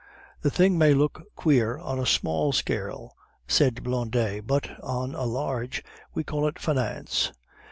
"The thing may look queer on a small scale," said Blondet, "but on a large we call it finance.